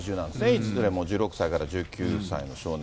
いずれも１６歳から１９歳の少年。